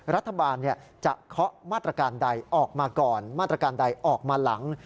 รัฐบาลจะเคาะมาตรการใดออกมาก่อนมาตรการใดออกมาหลัง